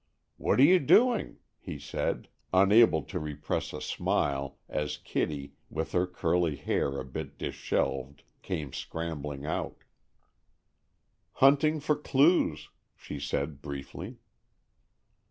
"What are you doing?" he said, unable to repress a smile as Kitty, with her curly hair a bit dishevelled, came scrambling out. "Hunting for clues," she said briefly.